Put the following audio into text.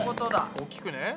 大きくね。